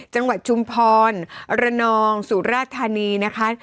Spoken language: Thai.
จังหวัดชุมพรอรนองสุรทรทานีนะคะ